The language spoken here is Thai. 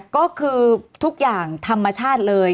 ก็คือทุกอย่างธรรมชาติเลย